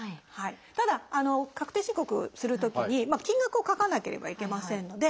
ただ確定申告するときに金額を書かなければいけませんので。